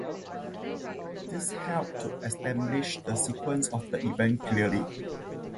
This helps to establish the sequence of events clearly.